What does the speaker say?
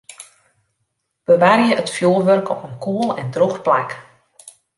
Bewarje it fjoerwurk op in koel en drûch plak.